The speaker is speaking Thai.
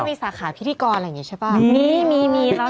มีสาขาพิธีกรอะไรอย่างนี้ใช่ป่ะ